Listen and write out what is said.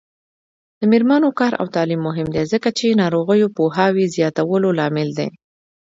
د میرمنو کار او تعلیم مهم دی ځکه چې ناروغیو پوهاوي زیاتولو لامل دی.